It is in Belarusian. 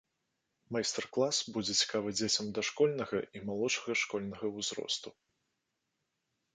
Майстар-клас будзе цікавы дзецям дашкольнага і малодшага школьнага ўзросту.